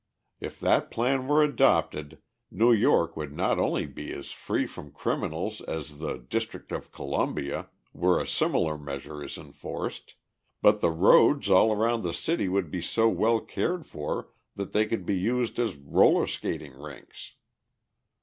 If that plan were adopted, New York would not only be as free from criminals as the District of Columbia, where a similar measure is enforced, but the roads all around the city would be so well cared for that they could be used as roller skating rinks.